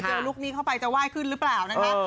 ลุคนี้เข้าไปจะไหว้ขึ้นหรือเปล่านะคะ